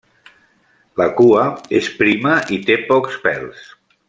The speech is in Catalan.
La cua és prima i té pocs pèls.